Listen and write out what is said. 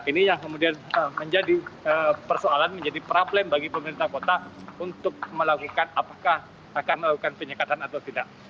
ini yang kemudian menjadi persoalan menjadi problem bagi pemerintah kota untuk melakukan apakah akan melakukan penyekatan atau tidak